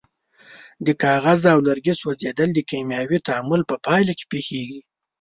د کاغذ او لرګي سوځیدل د کیمیاوي تعامل په پایله کې پیښیږي.